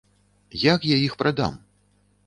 Як я іх прадам?